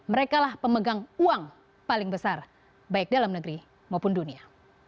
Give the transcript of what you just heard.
merekalah pemegang uang paling besar baik dalam negeri maupun dunia